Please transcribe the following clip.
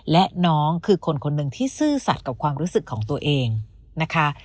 และน้องคือคนคนหนึ่งที่ซื่อสัตว์กับความรู้สึกของตัวเองนะคะ